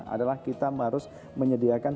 adalah kita harus menyediakan